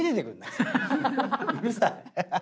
うるさい。